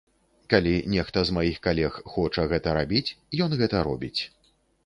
Калі нехта з маіх калег хоча гэта рабіць, ён гэта робіць.